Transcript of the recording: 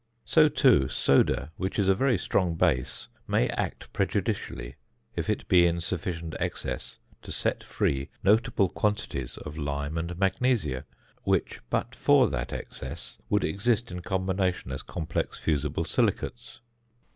So, too, soda, which is a very strong base, may act prejudicially if it be in sufficient excess to set free notable quantities of lime and magnesia, which but for that excess would exist in combination as complex fusible silicates.